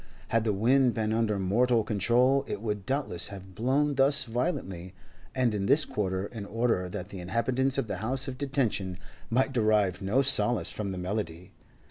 Had the wind been under mortal control it would doubtless have blown thus violently and in this quarter in order that the inhabitants of the House of Detention might derive no solace from the melody.